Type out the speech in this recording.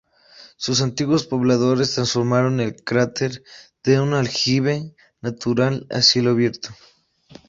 Sus antiguos pobladores transformaron el cráter de un aljibe natural a cielo abierto.